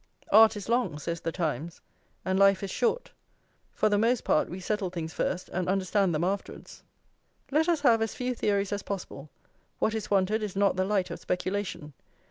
"Art is long," says The Times, "and life is short; for the most part we settle things first and understand them afterwards. Let us have as few theories as possible; what is wanted is not the light of speculation.